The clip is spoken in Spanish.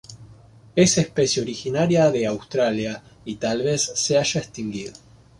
Es especie originaria de Australia, y tal vez se haya extinguido.